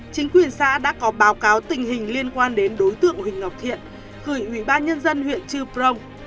chính quyền xã đã có báo cáo tình hình liên quan đến đối tượng huỳnh ngọc thiện gửi ubnd huyện chư prong